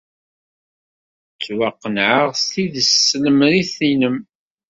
Ttwaqennɛeɣ s tidet s tlemrit-nnem.